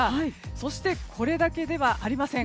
そしてこれだけではありません。